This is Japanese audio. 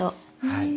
はい。